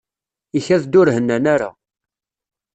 Ikad-d ur hennan ara.